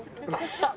ハハハ！